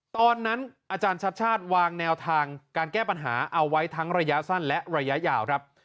อาจารย์ชัดชาติวางแนวทางการแก้ปัญหาเอาไว้ทั้งระยะสั้นและระยะยาวครับ